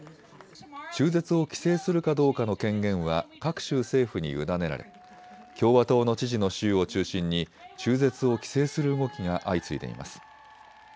中絶を規制するかどうかの権限は各州政府に委ねられ、共和党の知事の州を中心に中絶を規制する動きが相次いでいます。